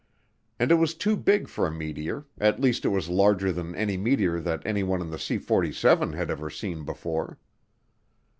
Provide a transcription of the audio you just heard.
And it was too big for a meteor, at least it was larger than any meteor that anyone in the C 47 had ever seen before.